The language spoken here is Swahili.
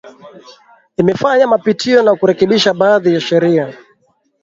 Imefanya mapitio na kurekebisha baadhii ya Sheria